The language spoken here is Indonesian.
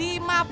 sini lu mau gak